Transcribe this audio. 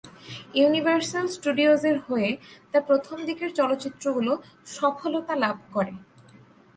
Universal স্টুডিওজের হয়ে তার প্রথম দিকের চলচ্চিত্রগুলো সফলতা লাভ করে।